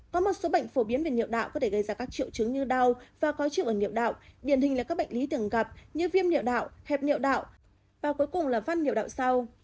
có một số bệnh phổ biến về niệu đạo có thể gây ra các triệu chứng như đau và khó chịu ở niệu đạo điển hình là các bệnh lý thường gặp như viêm niệu đạo hẹp niệu đạo và cuối cùng là văn niệu đạo sau